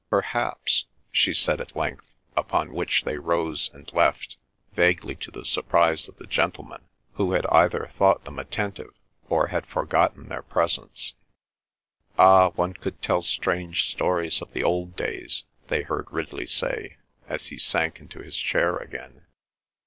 "Perhaps—?" she said at length, upon which they rose and left, vaguely to the surprise of the gentlemen, who had either thought them attentive or had forgotten their presence. "Ah, one could tell strange stories of the old days," they heard Ridley say, as he sank into his chair again.